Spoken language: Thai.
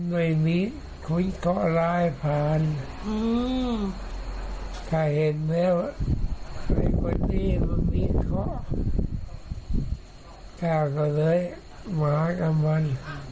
ไม่มีคุณตอลายผ่านถ้าเห็นแมวใครมีข้อข้าก็เลยมากับมัน